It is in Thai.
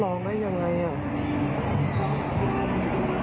มองได้ยังไงอ่ะ